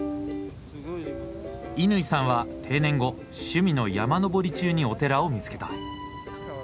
乾さんは定年後趣味の山登り中にお寺を見つけた。